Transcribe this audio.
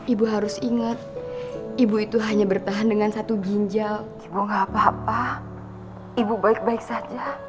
ibu harus ingat ibu itu hanya bertahan dengan satu ginjal ibu gak apa apa ibu baik baik saja